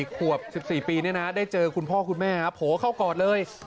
ขวบ๑๔ปีได้เจอคุณพ่อคุณแม่โผล่เข้ากอดเลย